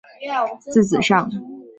字子上。